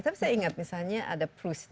tapi saya ingat misalnya ada plus